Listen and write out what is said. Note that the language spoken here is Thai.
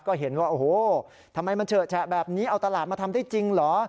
ก็เห็นว่าโอ้โหทำไมมันเฉอะแฉะแบบนี้เอาตลาดมาทำได้จริงเหรอ